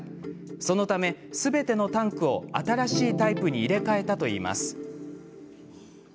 そのためすべてのタンクを新しいタイプに入れ替えたといいます。